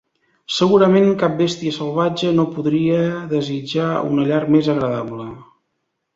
Segurament cap bèstia salvatge no podria desitjar una llar més agradable.